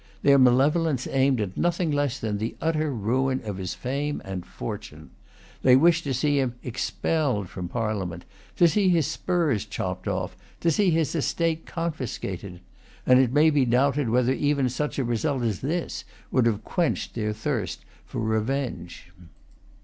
Their malevolence aimed at nothing less than the utter ruin of his fame and fortune. They wished to see him expelled from Parliament, to see his spurs chopped off, to see his estate confiscated; and it may be doubted whether even such a result as this would have quenched their thirst for revenge.